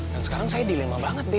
dan sekarang saya dilema banget be